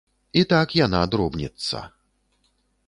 І так яна дробніцца.